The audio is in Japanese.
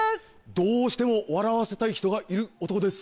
どうしても笑わせたい人がいる男です。